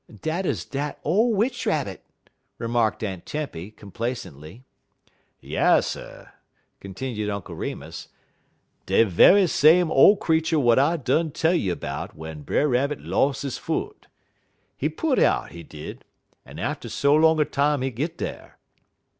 "Dat 'uz dat ole Witch Rabbit," remarked Aunt Tempy, complacently. "Yasser," continued Uncle Remus, "de ve'y same ole creetur w'at I done tell you 'bout w'en Brer Rabbit los' he foot. He put out, he did, en atter so long a time he git dar.